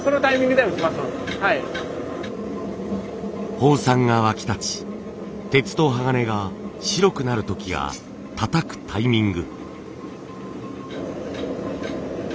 ホウ酸が沸き立ち鉄と鋼が白くなる時がたたくタイミング。